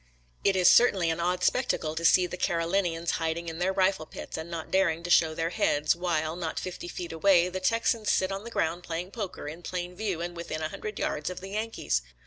It is certainly an odd spectacle to see the Carolinians hiding in their rifle pits and not daring to show their heads, while, not fifty feet away, the Texans sit on the ground playing poker, in plain view and within a hun dred yards of the Yankees.